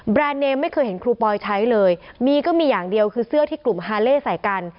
เนมไม่เคยเห็นครูปอยใช้เลยมีก็มีอย่างเดียวคือเสื้อที่กลุ่มฮาเล่ใส่กัน